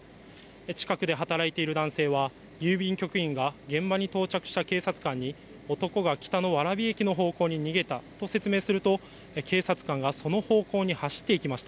近くで働いている男性は、郵便局員が現場に到着した警察官に、男が北の蕨駅の方向に逃げたと説明すると、警察官がその方向に走っていきました。